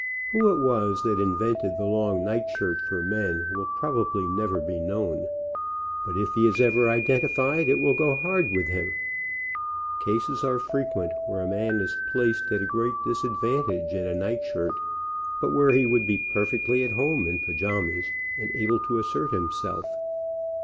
Who it was that invented the long night shirt for men, will probably never be known, but if he is ever identified, it will go hard with him. Cases are frequent where a man is placed at great disad vantage in a night shirt, but where he would be per fectly at home in pajamas, and able to assert him self.